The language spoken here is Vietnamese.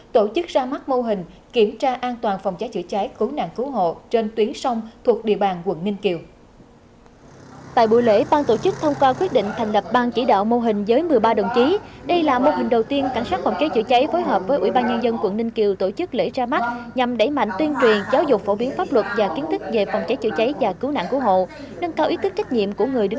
tại buổi lễ bang tổ chức thông qua quyết định thành lập bang chỉ đạo mô hình giới một mươi ba đồng chí đây là mô hình đầu tiên cảnh sát phòng cháy chữa cháy phối hợp với ủy ban nhân dân quận ninh kiều tổ chức lễ ra mắt nhằm đẩy mạnh tuyên truyền giáo dục phổ biến pháp luật và kiến thức về phòng cháy chữa cháy và cứu nạn cứu hộ nâng cao ý thức trách nhiệm của người dân